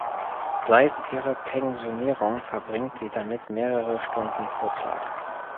Seit ihrer Pensionierung verbringt sie damit mehrere Stunden pro Tag.